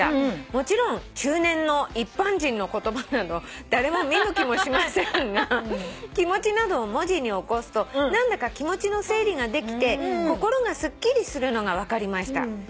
「もちろん中年の一般人の言葉など誰も見向きもしませんが気持ちなどを文字に起こすと何だか気持ちの整理ができて心がすっきりするのが分かりました」